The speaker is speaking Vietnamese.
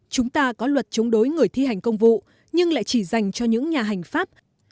chúng ta có luật chống đối người thi hành công vụ nhưng lại chỉ dành cho những nhà hành pháp